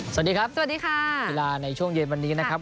สวัสดีครับสวัสดีค่ะกีฬาในช่วงเย็นวันนี้นะครับ